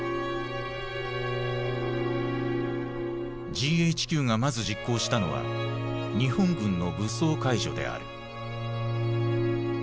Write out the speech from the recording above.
ＧＨＱがまず実行したのは日本軍の武装解除である。